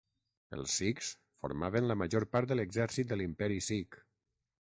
Els sikhs formaven la major part de l'exèrcit de l'Imperi Sikh.